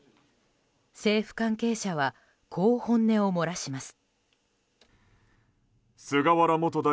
政府関係者はこう本音を漏らします。